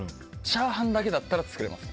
チャーハンだけだったら作れます。